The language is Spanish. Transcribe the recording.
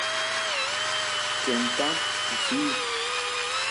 Kenta Ishii